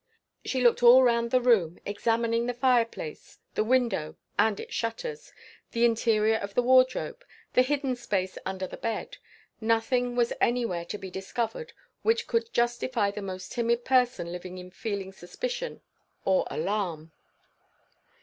She looked all round the room; examining the fire place, the window and its shutters, the interior of the wardrobe, the hidden space under the bed. Nothing was any where to be discovered which could justify the most timid person living in feeling suspicion or alarm.